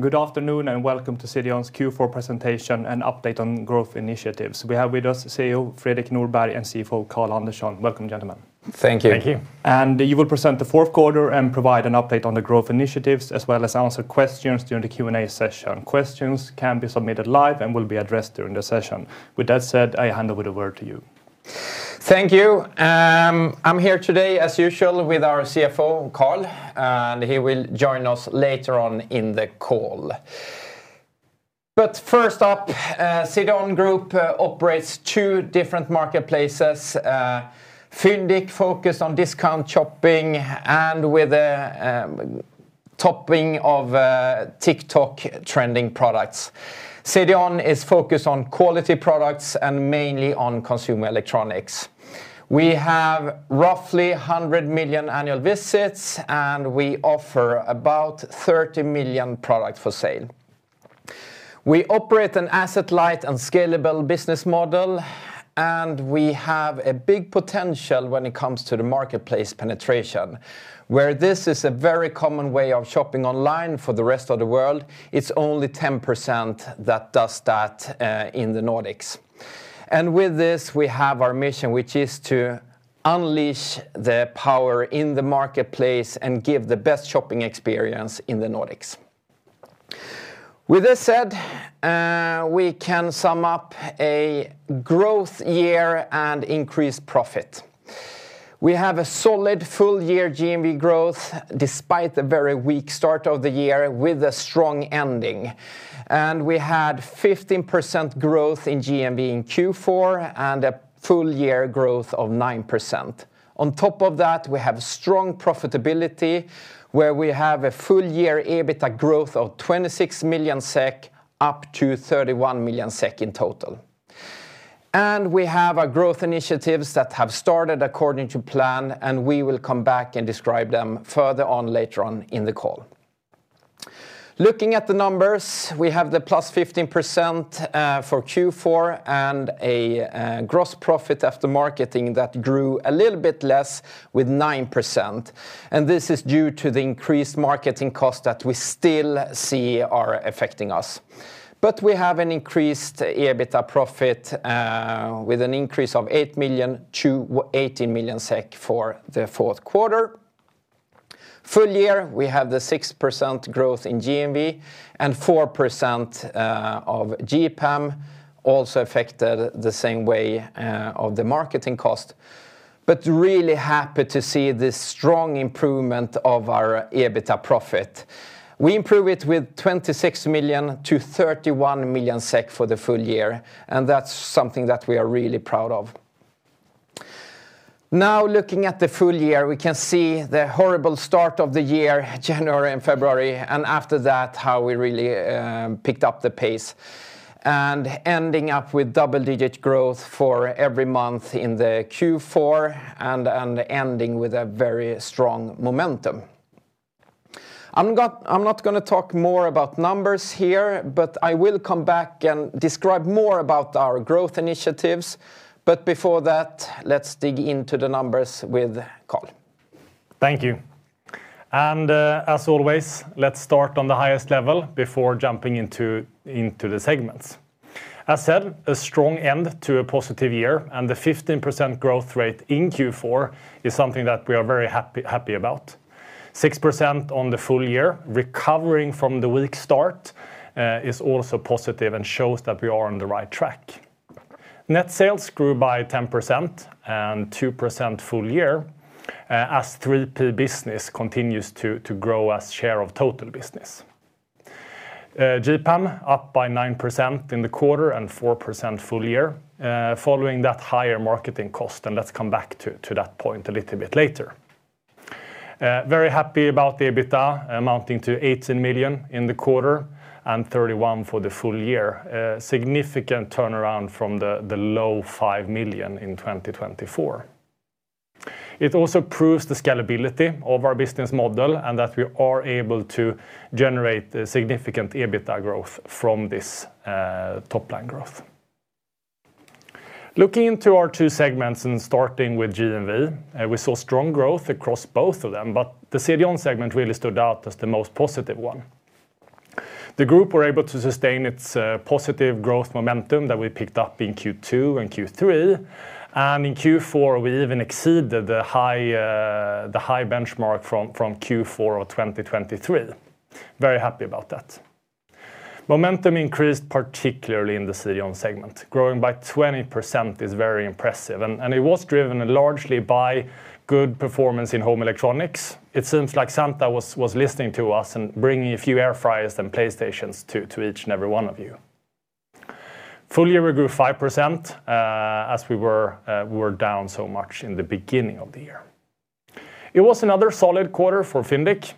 Good afternoon, and welcome to CDON's Q4 presentation and update on growth initiatives. We have with us CEO Fredrik Norberg, and CFO Carl Andersson. Welcome, gentlemen. Thank you. Thank you. You will present the fourth quarter and provide an update on the growth initiatives, as well as answer questions during the Q&A session. Questions can be submitted live and will be addressed during the session. With that said, I hand over the word to you. Thank you. I'm here today, as usual, with our CFO, Carl, and he will join us later on in the call. But first up, CDON Group operates two different marketplaces. Fyndiq focus on discount shopping and with a topping of TikTok trending products. CDON is focused on quality products and mainly on consumer electronics. We have roughly 100 million annual visits, and we offer about 30 million products for sale. We operate an asset-light and scalable business model, and we have a big potential when it comes to the marketplace penetration. Where this is a very common way of shopping online for the rest of the world, it's only 10% that does that in the Nordics. And with this, we have our mission, which is to unleash the power in the marketplace and give the best shopping experience in the Nordics. With this said, we can sum up a growth year and increased profit. We have a solid full-year GMV growth, despite the very weak start of the year, with a strong ending. We had 15% growth in GMV in Q4, and a full-year growth of 9%. On top of that, we have strong profitability, where we have a full-year EBITDA growth of 26 million SEK, up to 31 million SEK in total. We have our growth initiatives that have started according to plan, and we will come back and describe them further on later on in the call. Looking at the numbers, we have the +15%, for Q4, and a gross profit after marketing that grew a little bit less with 9%, and this is due to the increased marketing cost that we still see are affecting us. But we have an increased EBITDA profit, with an increase of 8 million-18 million SEK for the fourth quarter. Full year, we have the 6% growth in GMV, and 4% of GPAM, also affected the same way, of the marketing cost. But really happy to see this strong improvement of our EBITDA profit. We improve it with 26 million-31 million SEK for the full year, and that's something that we are really proud of. Now, looking at the full year, we can see the horrible start of the year, January and February, and after that, how we really picked up the pace. And ending up with double-digit growth for every month in the Q4, and ending with a very strong momentum. I'm not gonna talk more about numbers here, but I will come back and describe more about our growth initiatives. Before that, let's dig into the numbers with Carl. Thank you. As always, let's start on the highest level before jumping into the segments. As said, a strong end to a positive year, and the 15% growth rate in Q4 is something that we are very happy, happy about. 6% on the full year, recovering from the weak start, is also positive and shows that we are on the right track. Net sales grew by 10% and 2% full year, as third-party business continues to grow as share of total business. GPAM up by 9% in the quarter and 4% full year, following that higher marketing cost, and let's come back to that point a little bit later. Very happy about the EBITDA, amounting to 18 million in the quarter and 31 million for the full year. Significant turnaround from the low 5 million in 2024. It also proves the scalability of our business model and that we are able to generate a significant EBITDA growth from this top-line growth. Looking into our two segments and starting with GMV, we saw strong growth across both of them, but the CDON segment really stood out as the most positive one. The group were able to sustain its positive growth momentum that we picked up in Q2 and Q3, and in Q4, we even exceeded the high benchmark from Q4 of 2023. Very happy about that. Momentum increased, particularly in the CDON segment. Growing by 20% is very impressive, and it was driven largely by good performance in home electronics. It seems like Santa was listening to us and bringing a few air fryers and PlayStations to each and every one of you. Full year, we grew 5%, as we were down so much in the beginning of the year. It was another solid quarter for Fyndiq,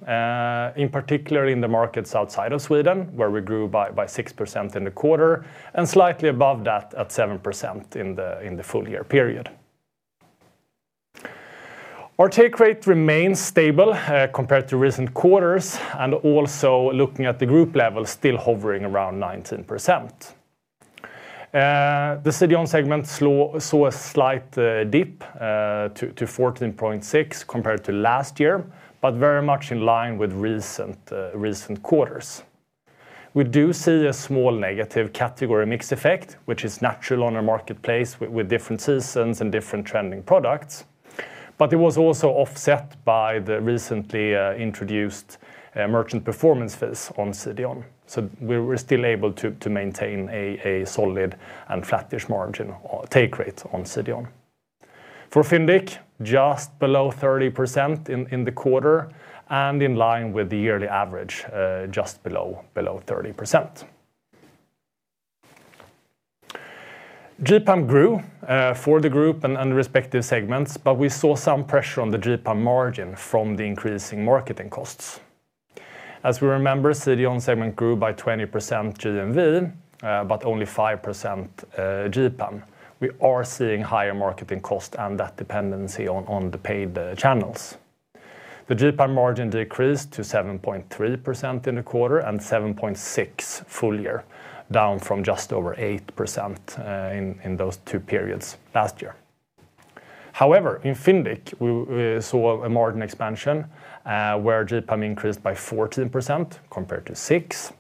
in particular in the markets outside of Sweden, where we grew by 6% in the quarter, and slightly above that at 7% in the full-year period. Our take rate remains stable, compared to recent quarters, and also looking at the group level, still hovering around 19%.... The CDON segment saw a slight dip to 14.6% compared to last year, but very much in line with recent quarters. We do see a small negative category mix effect, which is natural on our marketplace with different seasons and different trending products. But it was also offset by the recently introduced merchant performance fees on CDON. So we're still able to maintain a solid and flattish margin or take rate on CDON. For Fyndiq, just below 30% in the quarter, and in line with the yearly average, just below 30%. GPAM grew for the group and respective segments, but we saw some pressure on the GPAM margin from the increasing marketing costs. As we remember, CDON segment grew by 20% GMV, but only 5% GPAM. We are seeing higher marketing cost and that dependency on the paid channels. The GPAM margin decreased to 7.3% in the quarter, and 7.6 full year, down from just over 8%, in those two periods last year. However, in Fyndiq, we saw a margin expansion, where GPAM increased by 14% compared to 6%,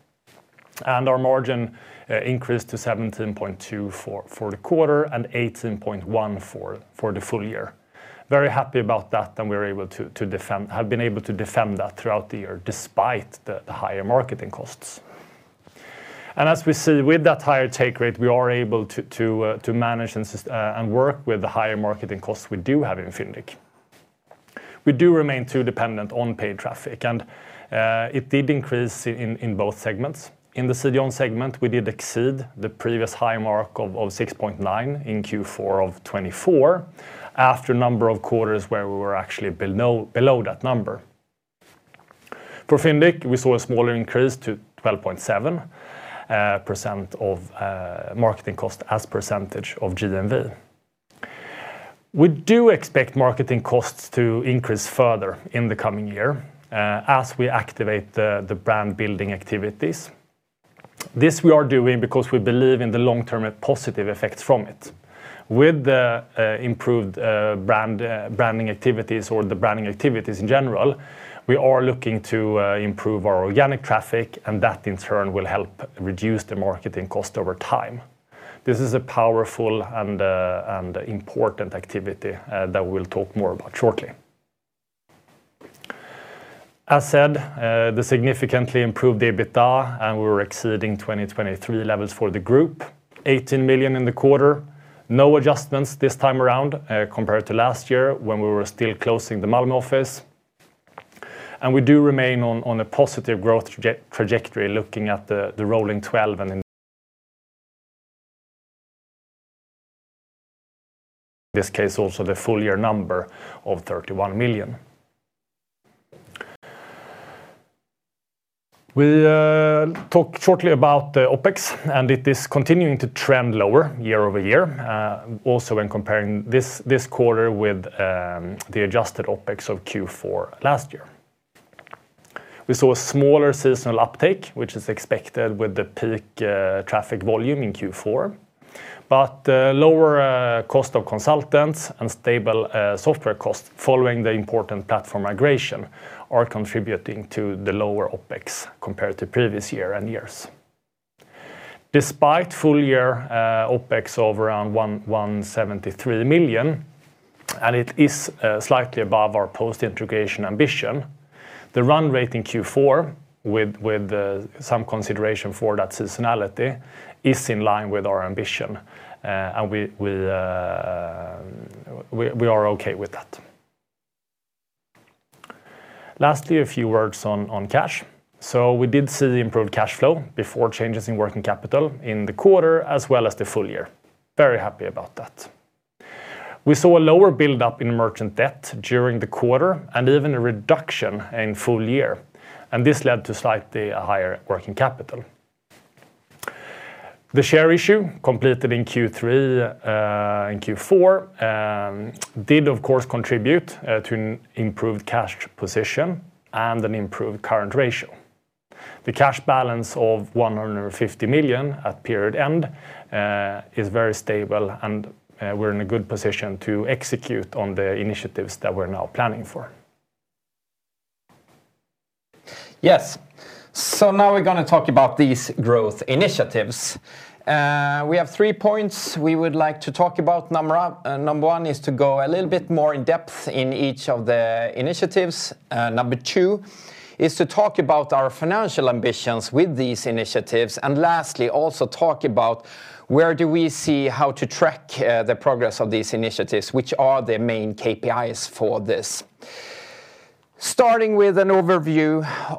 and our margin increased to 17.2 for the quarter, and 18.1 for the full year. Very happy about that, and we're able to defend—have been able to defend that throughout the year, despite the higher marketing costs. As we see with that higher take rate, we are able to manage and work with the higher marketing costs we do have in Fyndiq. We do remain too dependent on paid traffic, and it did increase in both segments. In the CDON segment, we did exceed the previous high mark of 6.9 in Q4 of 2024, after a number of quarters where we were actually below that number. For Fyndiq, we saw a smaller increase to 12.7% of marketing cost as percentage of GMV. We do expect marketing costs to increase further in the coming year as we activate the brand-building activities. This we are doing because we believe in the long-term positive effects from it. With the improved brand branding activities or the branding activities in general, we are looking to improve our organic traffic, and that, in turn, will help reduce the marketing cost over time. This is a powerful and important activity that we'll talk more about shortly. As said, the significantly improved the EBITDA, and we were exceeding 2023 levels for the group, 18 million in the quarter. No adjustments this time around, compared to last year when we were still closing the Malmö office, and we do remain on, on a positive growth trajectory looking at the, the rolling twelve, and in this case, also the full year number of 31 million. We talked shortly about the OpEx, and it is continuing to trend lower year-over-year, also when comparing this, this quarter with, the adjusted OpEx of Q4 last year. We saw a smaller seasonal uptake, which is expected with the peak, traffic volume in Q4, but, lower, cost of consultants and stable, software costs following the important platform migration are contributing to the lower OpEx compared to previous year and years. Despite full year OpEx of around 173 million, and it is slightly above our post-integration ambition, the run rate in Q4 with some consideration for that seasonality, is in line with our ambition, and we are okay with that. Lastly, a few words on cash. So we did see improved cash flow before changes in working capital in the quarter, as well as the full year. Very happy about that. We saw a lower buildup in merchant debt during the quarter, and even a reduction in full year, and this led to slightly a higher working capital. The share issue, completed in Q3 and Q4, did of course contribute to an improved cash position and an improved current ratio. The cash balance of 150 million at period end is very stable, and we're in a good position to execute on the initiatives that we're now planning for. Yes. So now we're gonna talk about these growth initiatives. We have three points we would like to talk about. Number one is to go a little bit more in depth in each of the initiatives. Number two is to talk about our financial ambitions with these initiatives, and lastly, also talk about where do we see how to track the progress of these initiatives, which are the main KPIs for this. Starting with an overview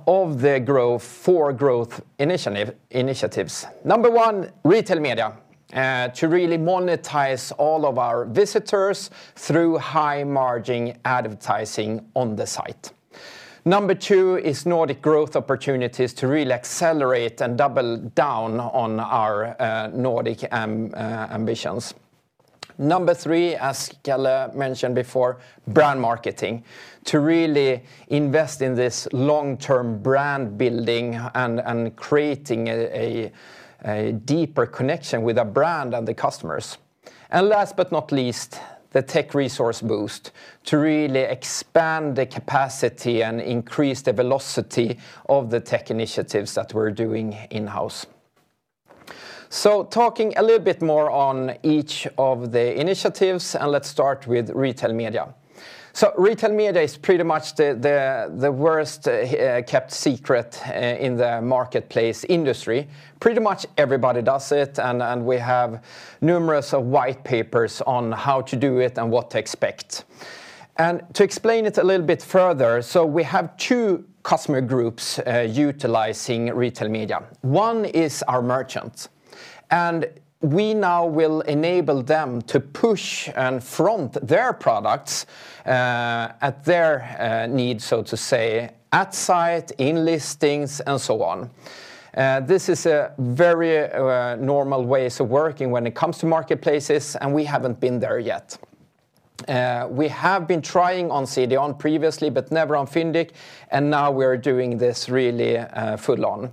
of the four growth initiatives. Number one, retail media, to really monetize all of our visitors through high-margin advertising on the site. Number two is Nordic growth opportunities to really accelerate and double down on our Nordic ambitions. Number three, as Kalle mentioned before, brand marketing. To really invest in this long-term brand building and creating a deeper connection with the brand and the customers. And last but not least, the tech resource boost to really expand the capacity and increase the velocity of the tech initiatives that we're doing in-house. So talking a little bit more on each of the initiatives, and let's start with retail media. So retail media is pretty much the worst kept secret in the marketplace industry. Pretty much everybody does it, and we have numerous of white papers on how to do it and what to expect. And to explain it a little bit further, so we have two customer groups utilizing retail media. One is our merchants, and we now will enable them to push and front their products at their needs, so to say, at site, in listings, and so on. This is a very normal ways of working when it comes to marketplaces, and we haven't been there yet. We have been trying on CDON previously, but never on Fyndiq, and now we're doing this really full on.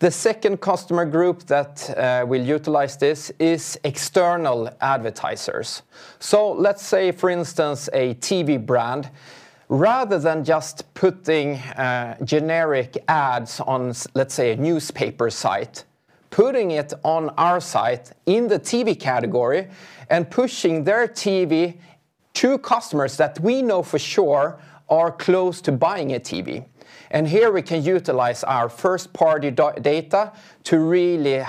The second customer group that will utilize this is external advertisers. So let's say, for instance, a TV brand, rather than just putting generic ads on, let's say, a newspaper site, putting it on our site in the TV category and pushing their TV to customers that we know for sure are close to buying a TV. Here we can utilize our first-party data to really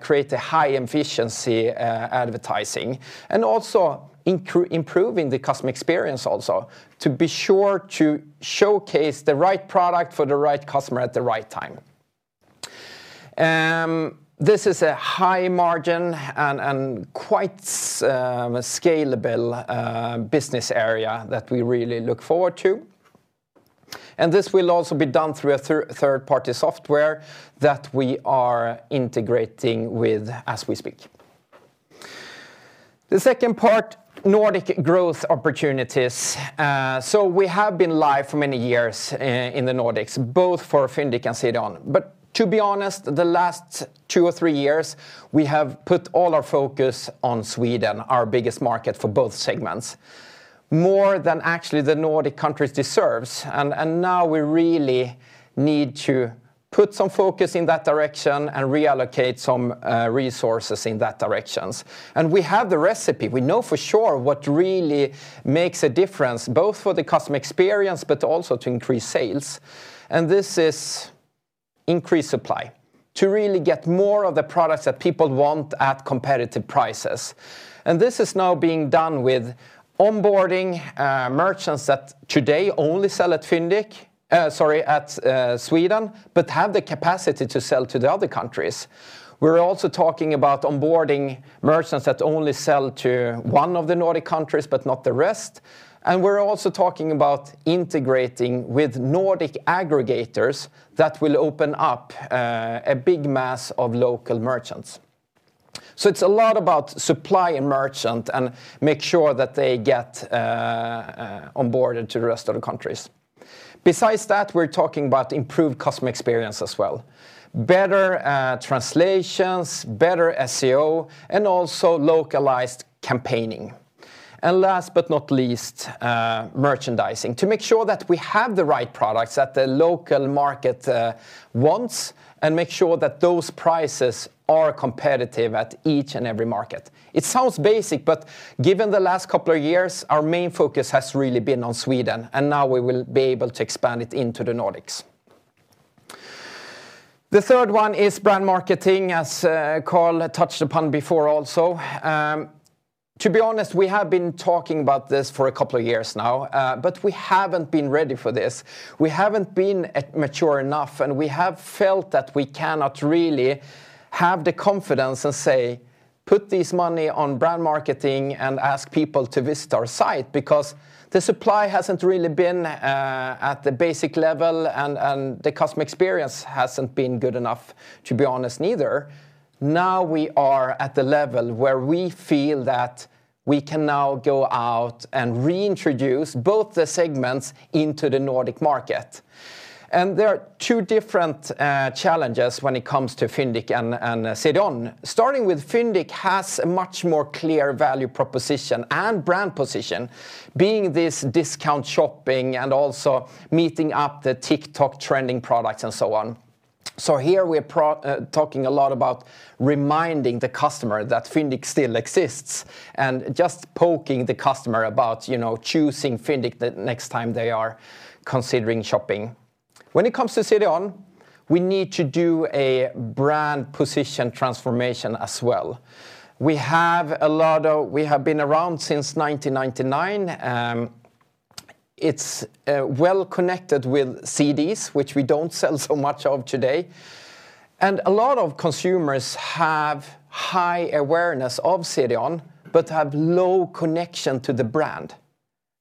create a high-efficiency advertising, and also improving the customer experience also, to be sure to showcase the right product for the right customer at the right time. This is a high margin and quite scalable business area that we really look forward to, and this will also be done through a third-party software that we are integrating with as we speak. The second part, Nordic growth opportunities. So we have been live for many years in the Nordics, both for Fyndiq and CDON. But to be honest, the last two or three years, we have put all our focus on Sweden, our biggest market for both segments, more than actually the Nordic countries deserves. Now we really need to put some focus in that direction and reallocate some resources in that directions. We have the recipe. We know for sure what really makes a difference, both for the customer experience, but also to increase sales, and this is increased supply, to really get more of the products that people want at competitive prices. And this is now being done with onboarding merchants that today only sell at Fyndiq-- sorry, at Sweden, but have the capacity to sell to the other countries. We're also talking about onboarding merchants that only sell to one of the Nordic countries, but not the rest, and we're also talking about integrating with Nordic aggregators that will open up a big mass of local merchants. So it's a lot about supply and merchant and make sure that they get onboarded to the rest of the countries. Besides that, we're talking about improved customer experience as well. Better translations, better SEO, and also localized campaigning. And last but not least, merchandising, to make sure that we have the right products that the local market wants, and make sure that those prices are competitive at each and every market. It sounds basic, but given the last couple of years, our main focus has really been on Sweden, and now we will be able to expand it into the Nordics. The third one is brand marketing, as Carl touched upon before also. To be honest, we have been talking about this for a couple of years now, but we haven't been ready for this. We haven't been mature enough, and we have felt that we cannot really have the confidence and say, "Put this money on brand marketing," and ask people to visit our site, because the supply hasn't really been at the basic level, and the customer experience hasn't been good enough, to be honest, neither. Now we are at the level where we feel that we can now go out and reintroduce both the segments into the Nordic market. And there are two different challenges when it comes to Fyndiq and CDON. Starting with Fyndiq, has a much more clear value proposition and brand position, being this discount shopping and also meeting up the TikTok trending products and so on. So here we're talking a lot about reminding the customer that Fyndiq still exists, and just poking the customer about, you know, choosing Fyndiq the next time they are considering shopping. When it comes to CDON, we need to do a brand position transformation as well. We have been around since 1999, it's well connected with CDs, which we don't sell so much of today, and a lot of consumers have high awareness of CDON, but have low connection to the brand.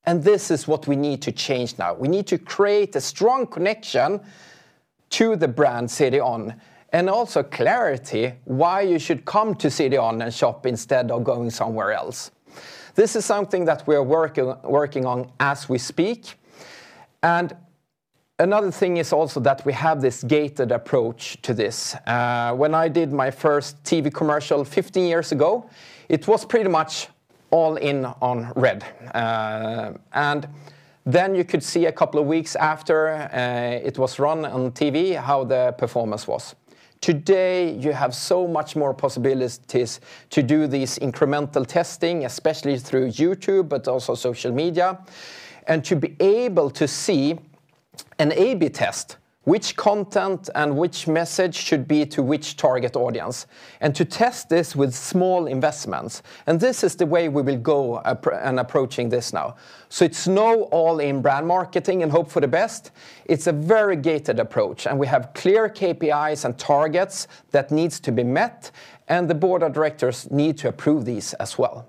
And this is what we need to change now. We need to create a strong connection to the brand CDON, and also clarity why you should come to CDON and shop instead of going somewhere else. This is something that we are working on as we speak, and another thing is also that we have this gated approach to this. When I did my first TV commercial 50 years ago, it was pretty much all in on red. And then you could see a couple of weeks after it was run on TV, how the performance was. Today, you have so much more possibilities to do these incremental testing, especially through YouTube, but also social media, and to be able to see an A/B test, which content and which message should be to which target audience, and to test this with small investments, and this is the way we will go approaching this now. So it's not all in brand marketing and hope for the best. It's a very gated approach, and we have clear KPIs and targets that needs to be met, and the board of directors need to approve these as well.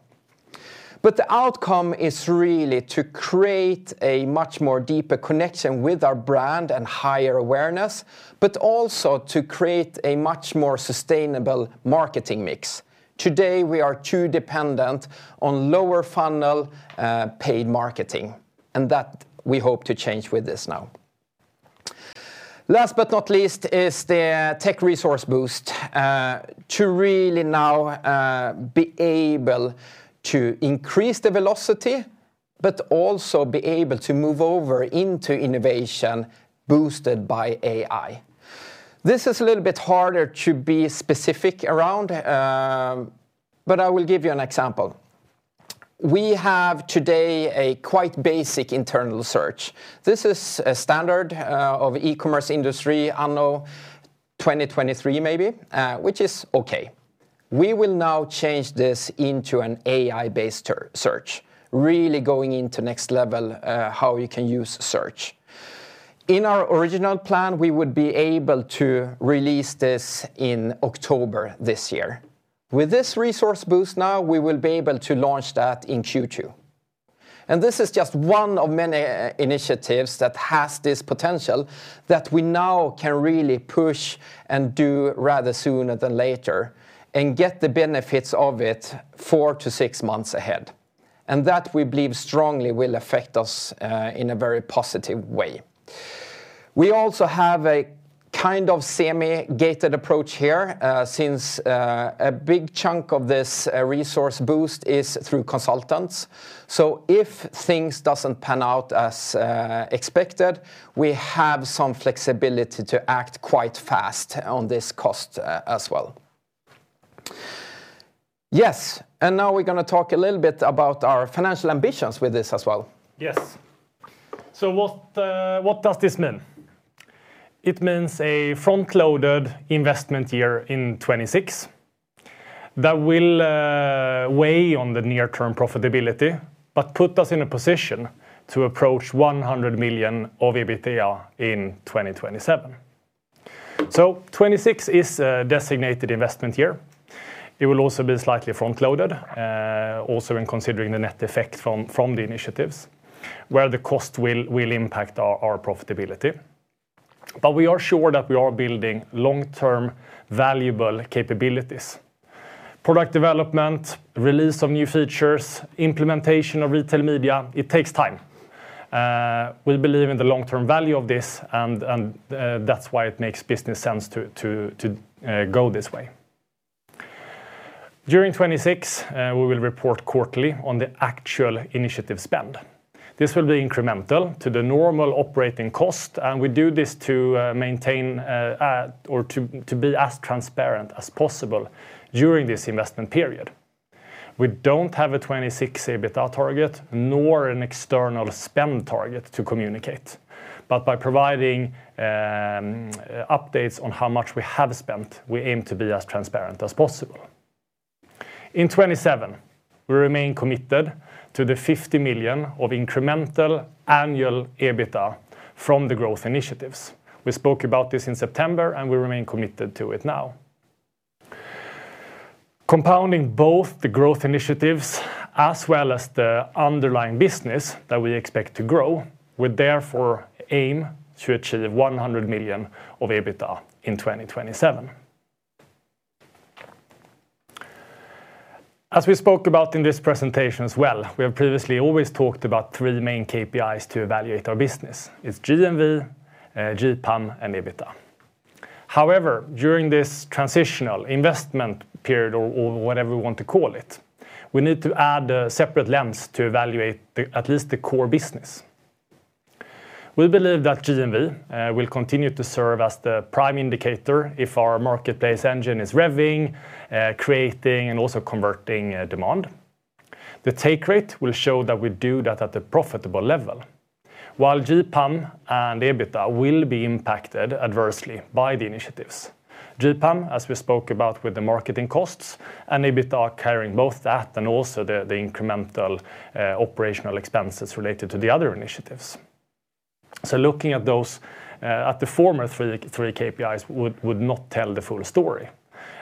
But the outcome is really to create a much more deeper connection with our brand and higher awareness, but also to create a much more sustainable marketing mix. Today, we are too dependent on lower funnel, paid marketing, and that we hope to change with this now. Last but not least is the tech resource boost, to really now, be able to increase the velocity, but also be able to move over into innovation boosted by AI. This is a little bit harder to be specific around, but I will give you an example. We have today a quite basic internal search. This is a standard, of e-commerce industry anno 2023 maybe, which is okay. We will now change this into an AI-based search, really going into next level, how you can use search. In our original plan, we would be able to release this in October this year. With this resource boost now, we will be able to launch that in Q2. And this is just one of many initiatives that has this potential that we now can really push and do rather sooner than later, and get the benefits of it 4-6 months ahead, and that we believe strongly will affect us in a very positive way. We also have a kind of semi-gated approach here, since a big chunk of this resource boost is through consultants. So if things doesn't pan out as expected, we have some flexibility to act quite fast on this cost, as well. Yes, and now we're gonna talk a little bit about our financial ambitions with this as well. Yes. So what, what does this mean? It means a front-loaded investment year in 2026 that will weigh on the near-term profitability, but put us in a position to approach 100 million of EBITDA in 2027. So 2026 is a designated investment year. It will also be slightly front-loaded, also in considering the net effect from the initiatives, where the cost will impact our profitability. But we are sure that we are building long-term, valuable capabilities. Product development, release of new features, implementation of retail media, it takes time. We believe in the long-term value of this, and that's why it makes business sense to go this way. During 2026, we will report quarterly on the actual initiative spend. This will be incremental to the normal operating cost, and we do this to maintain or to be as transparent as possible during this investment period. We don't have a 2026 EBITDA target, nor an external spend target to communicate. But by providing updates on how much we have spent, we aim to be as transparent as possible. In 2027, we remain committed to the 50 million of incremental annual EBITDA from the growth initiatives. We spoke about this in September, and we remain committed to it now. Compounding both the growth initiatives as well as the underlying business that we expect to grow, we therefore aim to achieve 100 million of EBITDA in 2027. As we spoke about in this presentation as well, we have previously always talked about three main KPIs to evaluate our business. It's GMV, GPAM, and EBITDA. However, during this transitional investment period or whatever we want to call it, we need to add a separate lens to evaluate the, at least the core business. We believe that GMV will continue to serve as the prime indicator if our marketplace engine is revving, creating, and also converting demand. The take rate will show that we do that at a profitable level. While GPAM and EBITDA will be impacted adversely by the initiatives, GPAM, as we spoke about with the marketing costs, and EBITDA carrying both that and also the incremental operational expenses related to the other initiatives. So looking at those, at the former three KPIs would not tell the full story.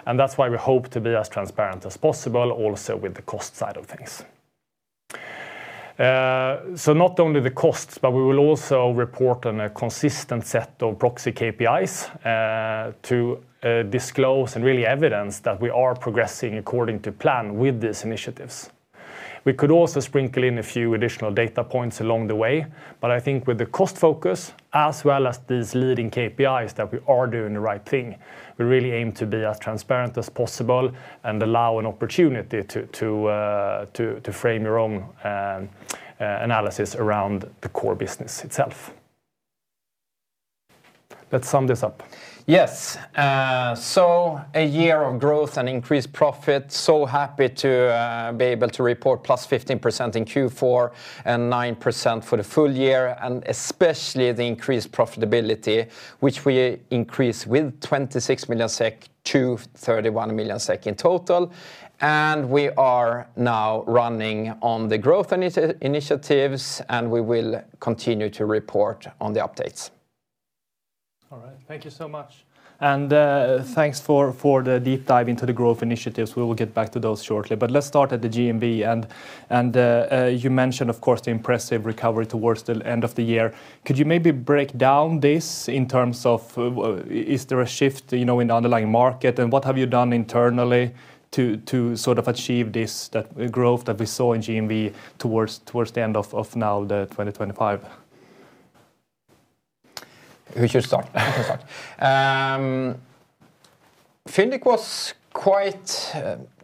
And that's why we hope to be as transparent as possible also with the cost side of things. So not only the costs, but we will also report on a consistent set of proxy KPIs to disclose and really evidence that we are progressing according to plan with these initiatives. We could also sprinkle in a few additional data points along the way, but I think with the cost focus, as well as these leading KPIs, that we are doing the right thing. We really aim to be as transparent as possible and allow an opportunity to frame your own analysis around the core business itself. Let's sum this up. Yes. So a year of growth and increased profit, so happy to be able to report +15% in Q4 and 9% for the full year, and especially the increased profitability, which we increased with 26 million-31 million SEK in total. And we are now running on the growth initiatives, and we will continue to report on the updates. All right, thank you so much. And, thanks for, for the deep dive into the growth initiatives. We will get back to those shortly. But let's start at the GMV, and, and, you mentioned, of course, the impressive recovery towards the end of the year. Could you maybe break down this in terms of, is there a shift, you know, in the underlying market? And what have you done internally to, to sort of achieve this, that growth that we saw in GMV towards, towards the end of, of now the 2025? Who should start? You can start. Fyndiq was quite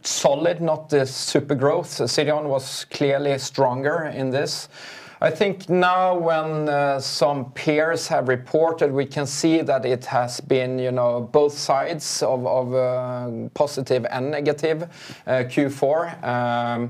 solid, not the super growth. CDON was clearly stronger in this. I think now when some peers have reported, we can see that it has been, you know, both sides of positive and negative Q4.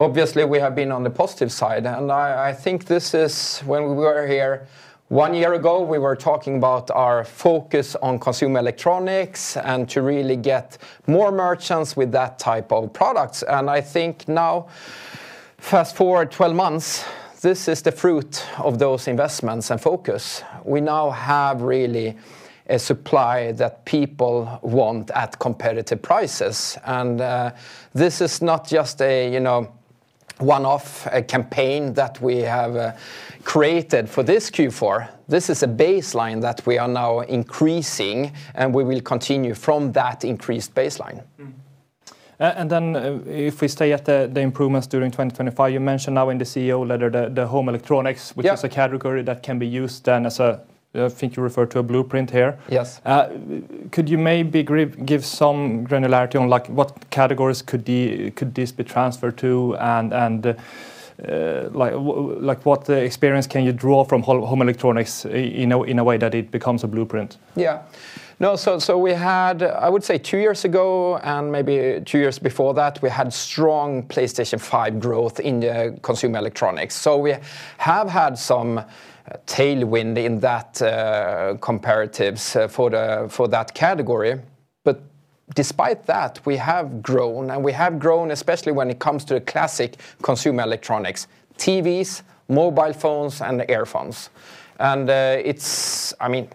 Obviously, we have been on the positive side, and I think this is... When we were here one year ago, we were talking about our focus on consumer electronics and to really get more merchants with that type of products. And I think now, fast-forward 12 months, this is the fruit of those investments and focus. We now have really a supply that people want at competitive prices, and this is not just a, you know, one-off campaign that we have created for this Q4. This is a baseline that we are now increasing, and we will continue from that increased baseline. Mm-hmm. And then if we stay at the improvements during 2025, you mentioned now in the CEO letter, the home electronics- Yeah... which is a category that can be used then as a, I think you refer to a blueprint here. Yes. Could you maybe give some granularity on, like, what categories could be, could this be transferred to, and, like, what experience can you draw from home electronics in a way that it becomes a blueprint? Yeah. No, so, so we had, I would say two years ago and maybe two years before that, we had strong PlayStation 5 growth in the consumer electronics. So we have had some tailwind in that comparatives for the, for that category. But despite that, we have grown, and we have grown, especially when it comes to the classic consumer electronics: TVs, mobile phones, and earphones. And, it's, I mean,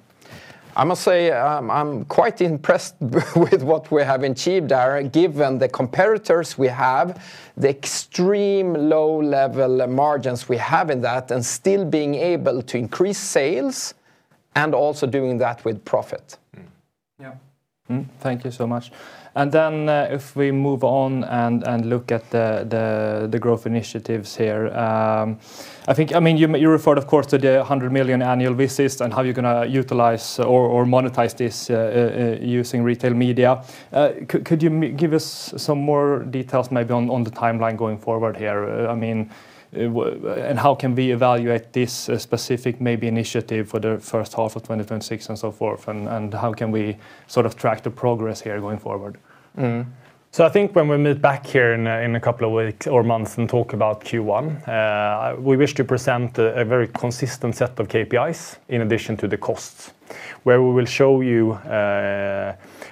I must say, I'm, I'm quite impressed with what we have achieved, Aron, given the competitors we have, the extreme low-level margins we have in that, and still being able to increase sales, and also doing that with profit. Mm-hmm. Yeah. Mm-hmm. Thank you so much. And then, if we move on and look at the growth initiatives here, I think, I mean, you referred, of course, to the 100 million annual visits and how you're gonna utilize or monetize this using Retail Media. Could you give us some more details maybe on the timeline going forward here? I mean, and how can we evaluate this specific maybe initiative for the first half of 2026 and so forth, and how can we sort of track the progress here going forward? Mm-hmm. So I think when we meet back here in a couple of weeks or months and talk about Q1, we wish to present a very consistent set of KPIs in addition to the costs, where we will show you,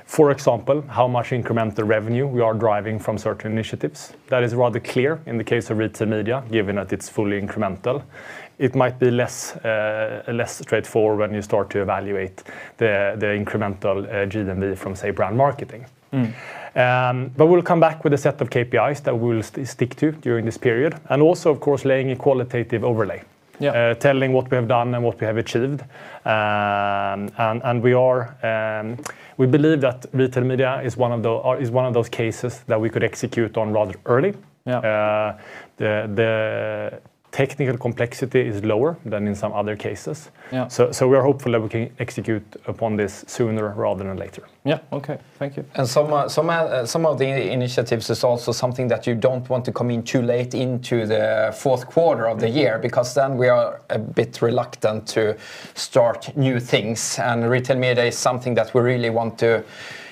for example, how much incremental revenue we are driving from certain initiatives. That is rather clear in the case of retail media, given that it's fully incremental. It might be less, less straightforward when you start to evaluate the, the incremental, GMV from, say, brand marketing. Mm. But we'll come back with a set of KPIs that we'll stick to during this period, and also, of course, laying a qualitative overlay. Yeah.... telling what we have done and what we have achieved. We believe that Retail Media is one of those cases that we could execute on rather early. Yeah. The technical complexity is lower than in some other cases. Yeah. So, we are hopeful that we can execute upon this sooner rather than later. Yeah. Okay, thank you. Some of the initiatives is also something that you don't want to come in too late into the fourth quarter of the year- Mm-hmm because then we are a bit reluctant to start new things, and Retail Media is something that we really want to,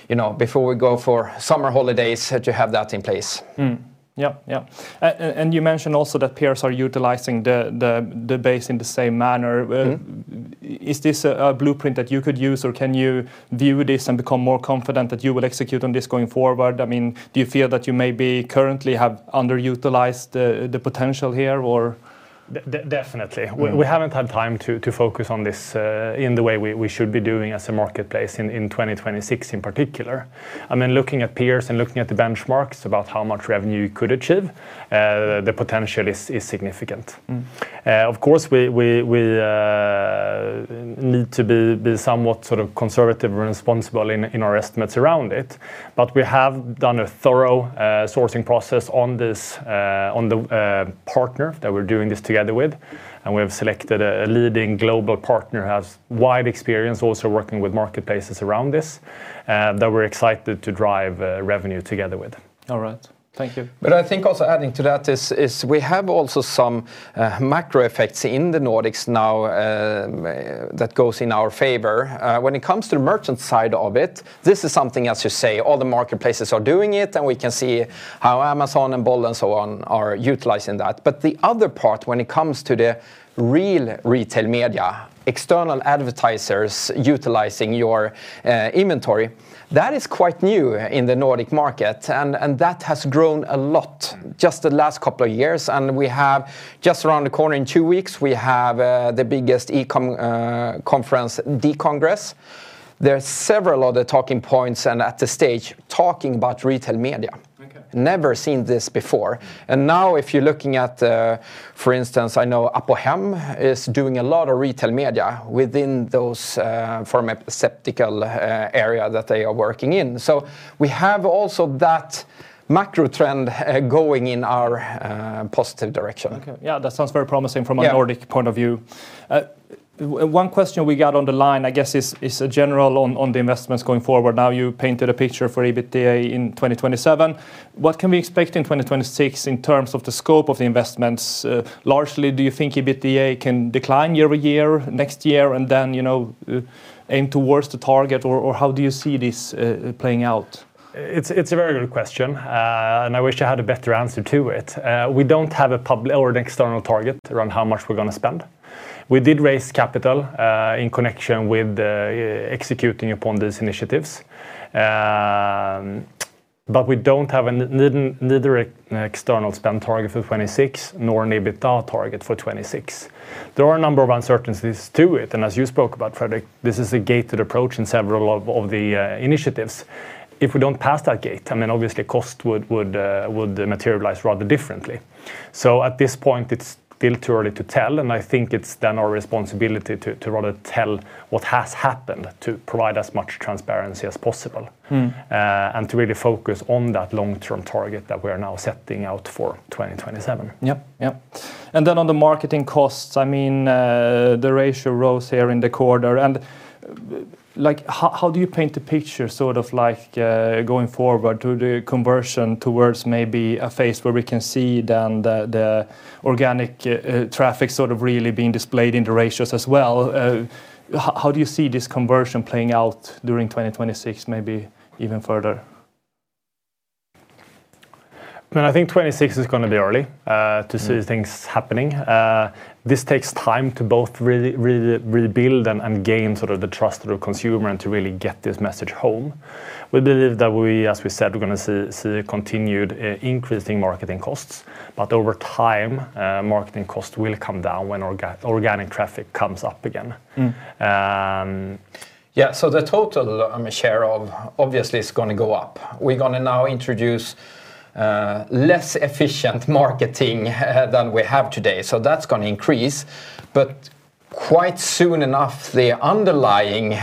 you know, before we go for summer holidays, to have that in place. Mm-hmm. Yeah, yeah. And you mentioned also that peers are utilizing the base in the same manner... Is this a blueprint that you could use, or can you view this and become more confident that you will execute on this going forward? I mean, do you feel that you maybe currently have underutilized the potential here, or? Definitely. Mm. We haven't had time to focus on this in the way we should be doing as a marketplace in 2026 in particular. I mean, looking at peers and looking at the benchmarks about how much revenue you could achieve, the potential is significant. Mm. Of course, we need to be somewhat sort of conservative and responsible in our estimates around it, but we have done a thorough sourcing process on this—on the partner that we're doing this together with, and we have selected a leading global partner, who has wide experience also working with marketplaces around this, that we're excited to drive revenue together with. All right, thank you. But I think also adding to that is we have also some macro effects in the Nordics now that goes in our favor. When it comes to the merchant side of it, this is something, as you say, all the marketplaces are doing it, and we can see how Amazon and Bol and so on are utilizing that. But the other part, when it comes to the real retail media, external advertisers utilizing your inventory, that is quite new in the Nordic market, and that has grown a lot just the last couple of years. And we have just around the corner in two weeks, we have the biggest e-com conference, D-Congress. There are several other talking points and at the stage talking about retail media. Okay. Never seen this before, and now if you're looking at the... For instance, I know Apohem is doing a lot of retail media within those pharmaceutical area that they are working in. So we have also that macro trend going in our positive direction. Okay. Yeah, that sounds very promising- Yeah... from a Nordic point of view. One question we got on the line, I guess, is a general one on the investments going forward. Now, you painted a picture for EBITDA in 2027. What can we expect in 2026 in terms of the scope of the investments? Largely, do you think EBITDA can decline year-over-year next year, and then, you know, aim towards the target, or how do you see this playing out? It's a very good question, and I wish I had a better answer to it. We don't have a public or an external target around how much we're gonna spend. We did raise capital in connection with executing upon these initiatives. But we don't have neither an external spend target for 2026, nor an EBITDA target for 2026. There are a number of uncertainties to it, and as you spoke about, Fredrik, this is a gated approach in several of the initiatives. If we don't pass that gate, I mean, obviously, cost would materialize rather differently. So at this point, it's still too early to tell, and I think it's then our responsibility to rather tell what has happened, to provide as much transparency as possible. Mm... and to really focus on that long-term target that we're now setting out for 2027. Yep, yep. And then on the marketing costs, I mean, the ratio rose here in the quarter, and, like, how, how do you paint the picture, sort of like, going forward to the conversion towards maybe a phase where we can see then the, the organic, traffic sort of really being displayed in the ratios as well? How, how do you see this conversion playing out during 2026, maybe even further? I mean, I think 2026 is gonna be early. Mm... to see things happening. This takes time to both really, really rebuild and gain sort of the trust of the consumer and to really get this message home. We believe that we, as we said, we're gonna see a continued increase in marketing costs, but over time, marketing costs will come down when organic traffic comes up again. Mm. Um- Yeah, so the total share of obviously is gonna go up. We're gonna now introduce less efficient marketing than we have today, so that's gonna increase. But quite soon enough, the underlying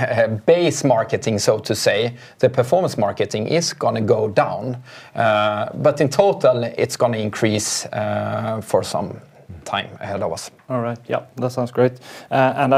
base marketing, so to say, the performance marketing, is gonna go down. But in total, it's gonna increase for some time ahead of us. All right. Yep, that sounds great. And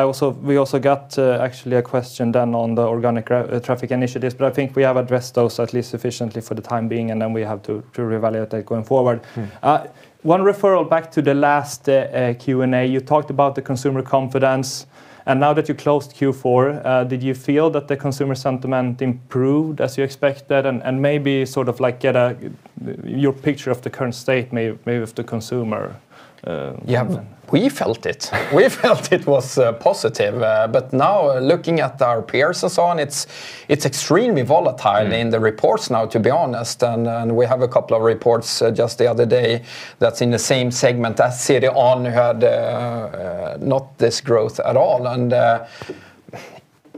we also got, actually, a question then on the organic traffic initiatives, but I think we have addressed those at least sufficiently for the time being, and then we have to reevaluate that going forward. Mm. One reference back to the last Q&A, you talked about the consumer confidence, and now that you closed Q4, did you feel that the consumer sentiment improved as you expected? And maybe sort of like get your picture of the current state, maybe of the consumer. Yeah, we felt it. We felt it was positive, but now looking at our peers and so on, it's extremely volatile- Mm... in the reports now, to be honest. And we have a couple of reports just the other day that's in the same segment as CDON had, not this growth at all. And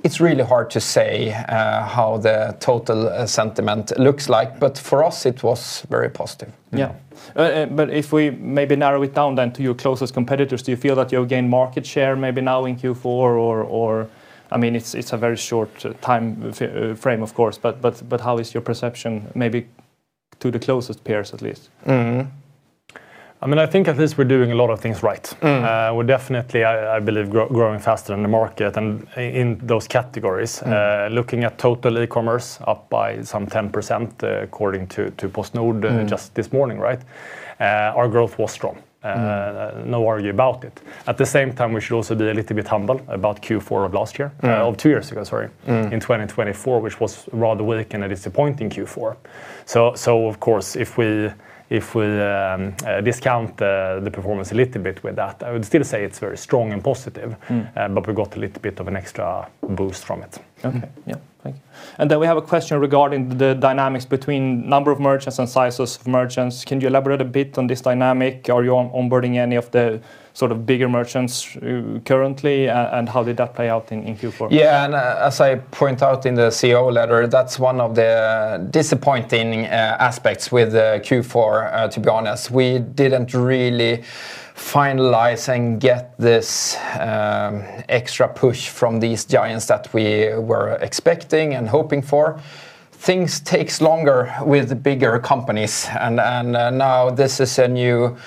it's really hard to say how the total sentiment looks like, but for us, it was very positive. Yeah. Mm. But if we maybe narrow it down then to your closest competitors, do you feel that you've gained market share maybe now in Q4, or... I mean, it's a very short time frame, of course, but how is your perception, maybe to the closest peers, at least? Mm.... I mean, I think at least we're doing a lot of things right. Mm. We're definitely, I believe, growing faster in the market and in those categories. Mm. Looking at total e-commerce, up by some 10%, according to PostNord- Mm... just this morning, right? Our growth was strong. Mm. No worry about it. At the same time, we should also be a little bit humble about Q4 of last year. Yeah... of two years ago, sorry. Mm. In 2024, which was rather weak and a disappointing Q4. So, of course, if we discount the performance a little bit with that, I would still say it's very strong and positive. Mm. But we've got a little bit of an extra boost from it. Okay. Yeah, thank you. And then we have a question regarding the dynamics between number of merchants and sizes of merchants. Can you elaborate a bit on this dynamic? Are you onboarding any of the sort of bigger merchants, currently, and how did that play out in Q4? Yeah, and as I point out in the CEO letter, that's one of the disappointing aspects with Q4, to be honest. We didn't really finalize and get this extra push from these giants that we were expecting and hoping for. Things takes longer with bigger companies, and now this is a new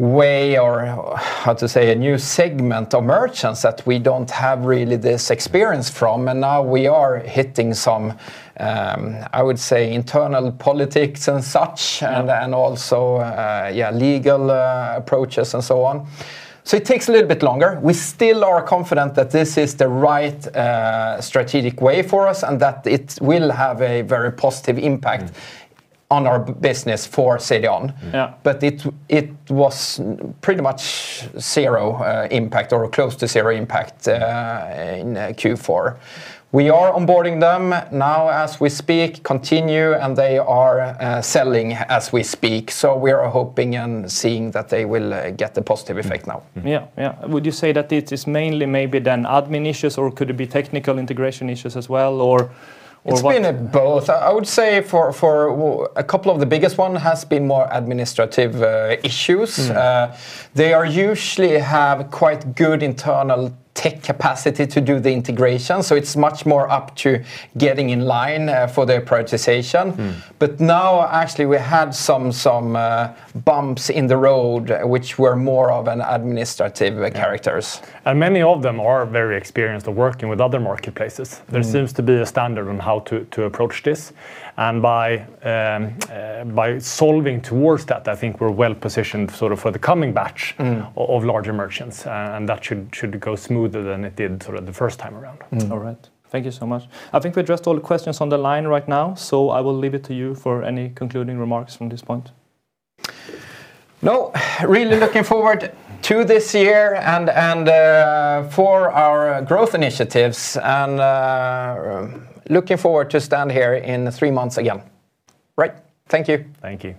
way, or how to say, a new segment of merchants that we don't have really this experience from, and now we are hitting some, I would say, internal politics and such- Yeah... and also, yeah, legal approaches and so on. So it takes a little bit longer. We still are confident that this is the right strategic way for us, and that it will have a very positive impact- Mm ... on our business for CDON. Yeah. But it, it was pretty much zero, impact or close to zero impact, in Q4. We are onboarding them now as we speak, continue, and they are, selling as we speak. So we are hoping and seeing that they will, get the positive effect now. Mm. Yeah. Yeah. Would you say that it is mainly maybe then admin issues, or could it be technical integration issues as well, or, or what? It's been both. I would say for a couple of the biggest one has been more administrative issues. Mm. They are usually have quite good internal tech capacity to do the integration, so it's much more up to getting in line for their prioritization. Mm. But now, actually, we had some bumps in the road, which were more of an administrative character. Yeah. And many of them are very experienced of working with other marketplaces. Mm. There seems to be a standard on how to approach this, and by solving towards that, I think we're well positioned sort of for the coming batch- Mm... of larger merchants, and that should go smoother than it did sort of the first time around. All right. Thank you so much. I think we addressed all the questions on the line right now, so I will leave it to you for any concluding remarks from this point. No, really looking forward to this year, and, and, for our growth initiatives, and, looking forward to stand here in three months again. Great! Thank you. Thank you.